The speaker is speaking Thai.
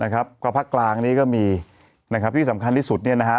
ก็ภาคกลางนี้ก็มีที่สำคัญที่สุด